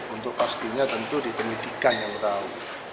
untuk pastinya tentu di penyidikan yang tahu